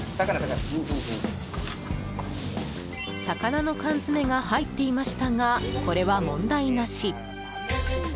魚の缶詰が入っていましたがこれは問題なし。